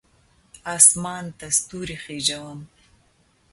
اسمان ته ستوري خیژوم